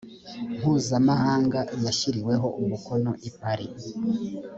mpuzamahanga yashyiriweho umukono i paris